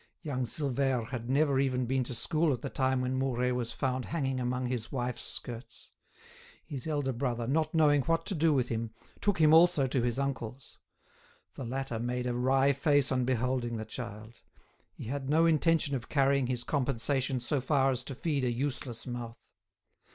Young Silvère had never even been to school at the time when Mouret was found hanging among his wife's skirts. His elder brother, not knowing what to do with him, took him also to his uncle's. The latter made a wry face on beholding the child; he had no intention of carrying his compensation so far as to feed a useless mouth.